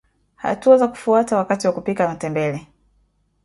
Hatua za kufuata wakati wa kupika matembele